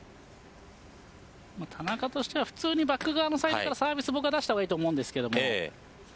田中としては普通にバック側のサイドからサービスを出した方がいいと思うんですけど。